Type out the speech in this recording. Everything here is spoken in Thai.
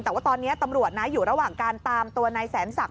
แต่ว่าตอนนี้ตำรวจนะอยู่ระหว่างการตามตัวนายแสนศักดิ